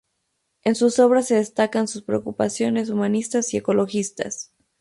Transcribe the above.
En sus obras se destacan sus preocupaciones humanistas y ecologistas.